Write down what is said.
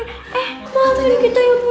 eh apa tadi kita ibu